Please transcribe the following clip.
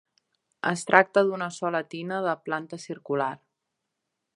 Es tracta d'una sola tina de planta circular.